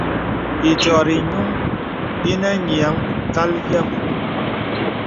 Ediórī gnūŋ inə nīəŋ kal yēm.